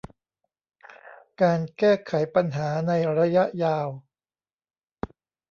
การแก้ไขปัญหาในระยะยาว